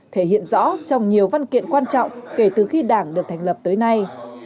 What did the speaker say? thể hiện rõ trong nhiều văn kiện quan trọng kể từ khi đảng được thành lập tới nay